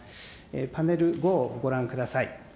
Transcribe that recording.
パネル５をご覧ください。